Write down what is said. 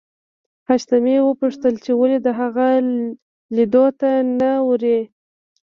حشمتي وپوښتل چې ولې د هغه لیدو ته نه ورې